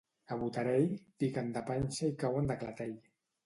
A Botarell, piquen de panxa i cauen de clatell.